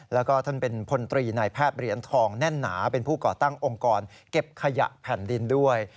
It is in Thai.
แล้วก็ท่านเป็นพลตรีนายแพทย์เหรียญทองแน่นหนาเป็นผู้ก่อตั้งองค์กรเก็บขยะแผ่นดินด้วย